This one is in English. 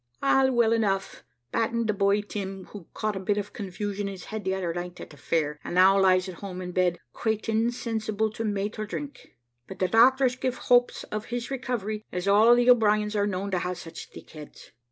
`All well enough, bating the boy Tim, who caught a bit of confusion in his head the other night at the fair, and now lies at home in bed quite insensible to mate or drink; but the doctors give hopes of his recovery, as all the O'Briens are known to have such thick heads.'